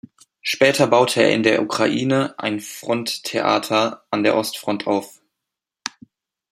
Später baute er in der Ukraine ein Fronttheater an der Ostfront auf.